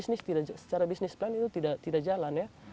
secara bisnis plan itu tidak jalan